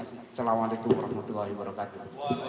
assalamualaikum warahmatullahi wabarakatuh